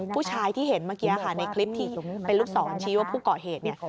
ผู้ชายที่เห็นเมื่อกี้ค่ะในคลิปที่เป็นลูกศรชี้ว่าผู้ก่อเหตุเนี่ย